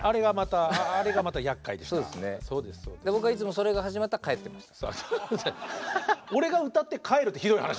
僕はいつもそれが始まったら帰ってました。